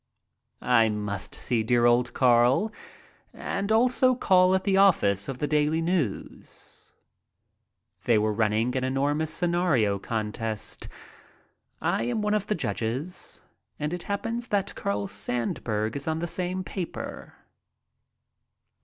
I must see dear old Carl and also call at the office of the Daily News. They were running an enormous scenario contest. I am one of the judges, and it happens that Carl Sandburg is on the same paper.